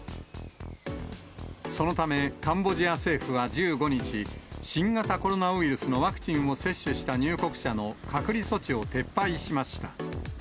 そのため、カンボジア政府は１５日、新型コロナウイルスのワクチンを接種した入国者の隔離措置を撤廃しました。